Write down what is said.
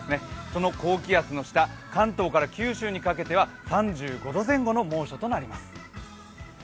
その高気圧の下、関東から九州にかけては３５度前後の猛暑となります。